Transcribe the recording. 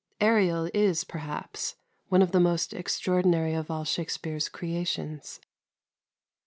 Ariel is, perhaps, one of the most extraordinary of all Shakspere's creations.